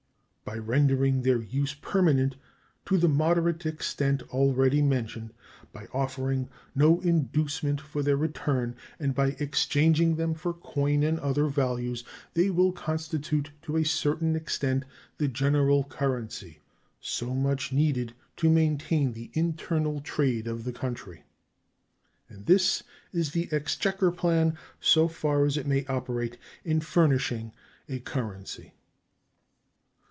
By rendering their use permanent, to the moderate extent already mentioned, by offering no inducement for their return and by exchanging them for coin and other values, they will constitute to a certain extent the general currency so much needed to maintain the internal trade of the country. And this is the exchequer plan so far as it may operate in furnishing a currency.